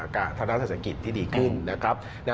กับธนาศักดิ์ศักดิ์ที่ดีขึ้นนะครับ